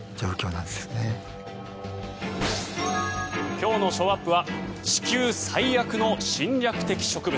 今日のショーアップは地球最悪の侵略的植物。